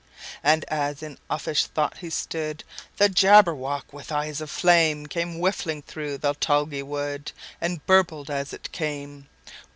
And as in uffish thought he stood, The Jabberwock, with eyes of flame, Came whiffling through the tulgey wood, And burbled as it came!